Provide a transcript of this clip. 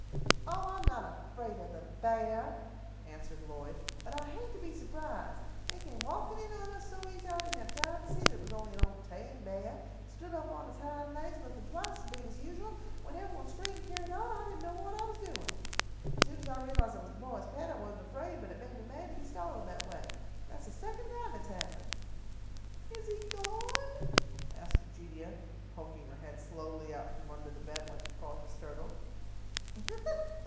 "Oh, I am not afraid of the beah," answered Lloyd, "but I hate to be surprised. It came walkin' in on us so easy that I didn't have time to see that it was only an old tame beah. It stood up on its hind legs lookin' twice as big as usual, and when everybody screamed and carried on so, I didn't know what I was doin'. As soon as I realised that it was the boys' pet I wasn't afraid, but it made me mad to be startled that way. And that's the second time it has happened." "Is he gone?" asked Eugenia, poking her head slowly out from under the bed like a cautious turtle.